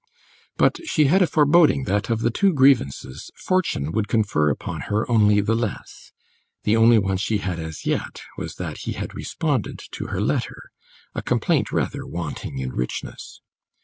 But she had a foreboding that, of the two grievances, fortune would confer upon her only the less; the only one she had as yet was that he had responded to her letter a complaint rather wanting in richness.